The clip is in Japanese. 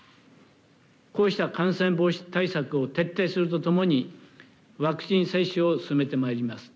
こうした感染防止対策を徹底するとともに、ワクチン接種を進めてまいります。